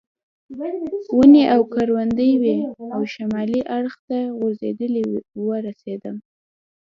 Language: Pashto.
ونې او کروندې وې او شمالي اړخ ته غځېدلې وه ورسېدم.